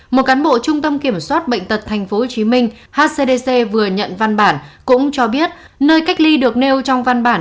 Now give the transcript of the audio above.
một cán bộ trung tâm kiểm soát bệnh tật tp hcm hcdc vừa nhận văn bản cũng cho biết nơi cách ly được nêu trong văn bản